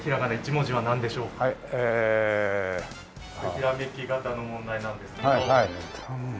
ひらめき型の問題なんですけど。